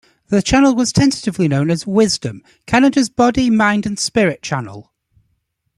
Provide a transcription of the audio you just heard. The channel was tentatively known as Wisdom: Canada's Body, Mind and Spirit Channel.